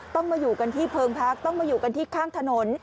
ต้องมาอยู่กันที่เพิงพักต้องมาอยู่กันที่ข้างถนน